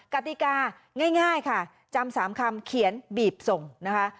กติกาง่ายค่ะจำ๓คำเขียนบีบส่งนะคะ